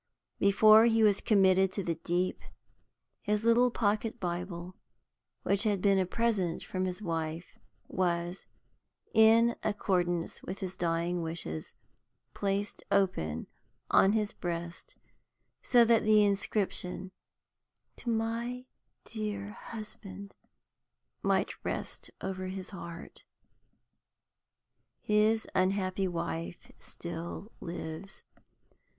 Before he was committed to the deep, his little pocket Bible, which had been a present from his wife, was, in accordance with his dying wishes, placed open on his breast, so that the inscription, "To my dear Husband," might rest over his heart. His unhappy wife still lives.